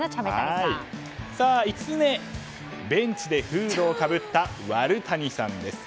５つ目ベンチでフードをかぶったワル谷サンです。